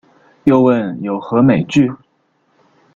又问有何美句？